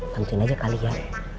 bantuin aja kali ya